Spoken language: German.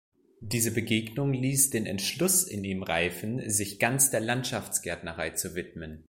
Diese Begegnung ließ den Entschluss in ihm reifen, sich ganz der Landschaftsgärtnerei zu widmen.